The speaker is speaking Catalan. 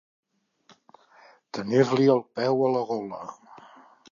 Tenir-li el peu a la gola.